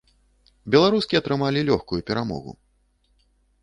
Беларускі атрымалі лёгкую перамогу.